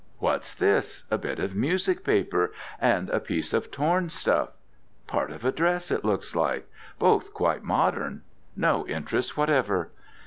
What's this: a bit of music paper, and a piece of torn stuff part of a dress it looks like. Both quite modern no interest whatever.